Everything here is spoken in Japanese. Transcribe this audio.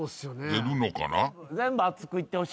出るのかな？